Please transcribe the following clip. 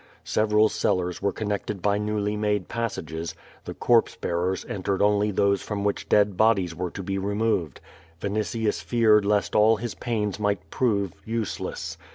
Several clllars were connected by newly made passages; the corpse be^rs entered only those from which dead bodies were to be riSiioved, A'initius feared lest all his pains might prove uselesi.